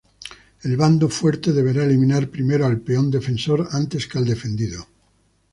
El bando fuerte deberá eliminar primero al peón defensor antes que al defendido.